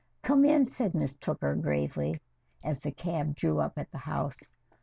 "Come in," said Miss Tooker gravely, as the cab drew up at the house.